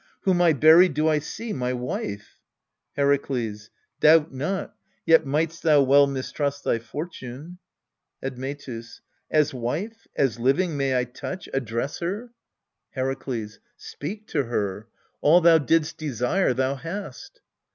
whom I buried do I see my wife? Herakles. Doubt not : yet might'st thou well mistrust thy fortune. Admetus. As wife, as living, may I touch, address her? ALCESTIS 237 Herakles. Speak to her : all thou didst desire thou hast.